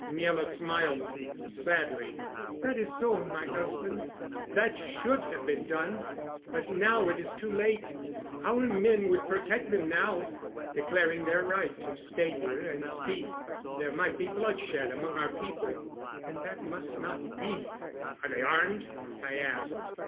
Miela smiled sadly. "That is so, my husband. That should have been done; but now it is too late. Our men would protect them now, declaring their right to stay here and speak. There might be bloodshed among our people, and that must not be." "Are they armed?" I asked.